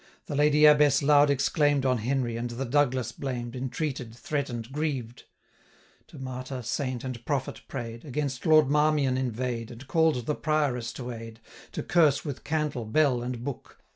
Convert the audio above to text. The Lady Abbess loud exclaim'd On Henry, and the Douglas blamed, Entreated, threaten'd, grieved; 895 To martyr, saint, and prophet pray'd, Against Lord Marmion inveigh'd, And call'd the Prioress to aid, To curse with candle, bell, and book.